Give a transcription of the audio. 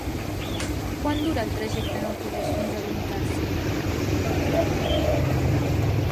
Quant dura el trajecte en autobús fins a Benicàssim?